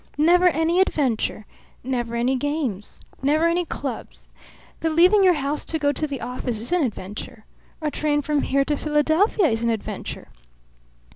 Never any adventure. Never any games. Never any clubs. The leaving your house to go to the office is an adventure. A train from here to Philadelphia is an adventure.